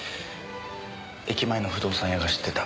駅前の不動産屋が知ってた。